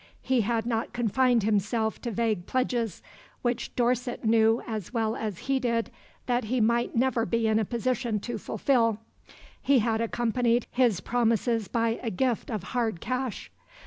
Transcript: He had not confined himself to vague pledges, which Dorset knew as well as he did that he might never be in a position to fulfil. He had accompanied his promises by a gift of hard cash.